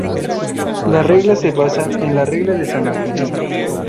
La regla se basaba en la Regla de San Agustín.